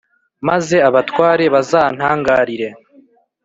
maze abatware bazantangarire.